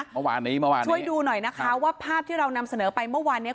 เมื่อวานนี้เมื่อวานช่วยดูหน่อยนะคะว่าภาพที่เรานำเสนอไปเมื่อวานเนี้ย